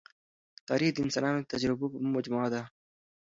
تاریخ د انسانانو د تجربو مجموعه ده.